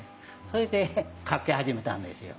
それで描き始めたんですよ。